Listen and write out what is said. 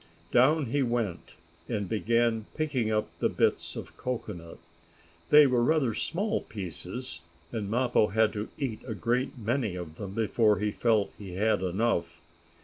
Down he went, and began picking up the bits of cocoanut. They were rather small pieces and Mappo had to eat a great many of them before he felt he had enough.